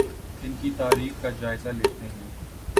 ان کی تاریخ کا جائزہ لیتے ہیں